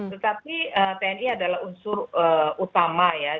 tetapi tni adalah unsur utama ya